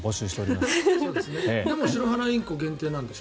でもシロハラインコ限定なんでしょ？